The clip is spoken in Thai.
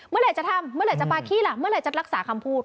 เมื่อไหร่จะทำเมื่อไหร่จะปาขี้ล่ะเมื่อไหร่จะรักษาคำพูด